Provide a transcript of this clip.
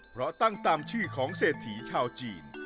เพราะตั้งตามชื่อของเศรษฐีชาวจีน